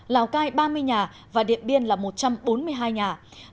lào cai ba mươi nhà và điện biên là một trăm bốn mươi hai nhà